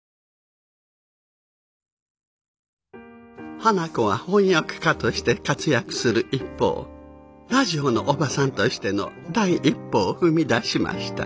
花子は翻訳家として活躍する一方ラジオのおばさんとしての第一歩を踏み出しました。